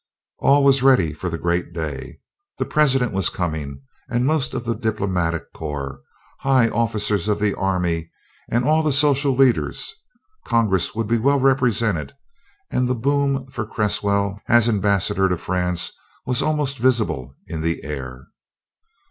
All was ready for the great day. The President was coming and most of the diplomatic corps, high officers of the army, and all the social leaders. Congress would be well represented, and the boom for Cresswell as ambassador to France was almost visible in the air.